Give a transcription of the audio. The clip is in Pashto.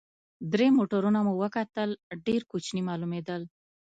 درې موټرونه مو وکتل، ډېر کوچني معلومېدل.